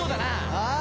ああ。